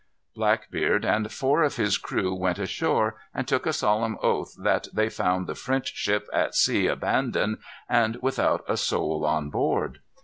Blackbeard and four of his crew went ashore, and took a solemn oath that they found the French ship at sea abandoned, and without a soul on board.